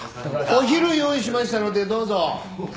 お昼用意しましたのでどうぞ。